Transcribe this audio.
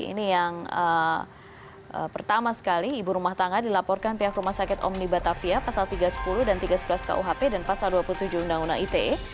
ini yang pertama sekali ibu rumah tangga dilaporkan pihak rumah sakit omni batavia pasal tiga ratus sepuluh dan tiga ratus sebelas kuhp dan pasal dua puluh tujuh undang undang ite